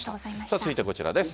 続いてはこちらです。